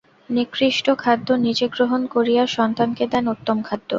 নিকৃষ্ট খাদ্য নিজে গ্রহণ করিয়া সন্তানকে দেন উত্তম খাদ্য।